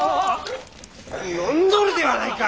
飲んどるではないか！